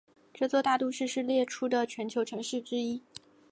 这座大都市是列出的全球城市之一。